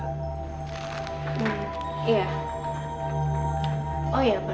sebaiknya kita pulang lalu istilah